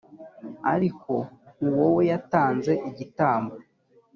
ariko uwo we yatanze igitambo